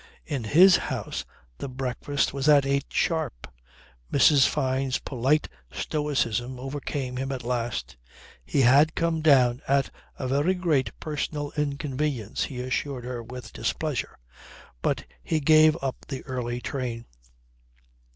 In his house the breakfast was at eight sharp. Mrs. Fyne's polite stoicism overcame him at last. He had come down at a very great personal inconvenience, he assured her with displeasure, but he gave up the early train.